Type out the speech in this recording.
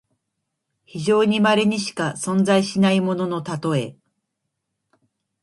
非常にまれにしか存在しないもののたとえ。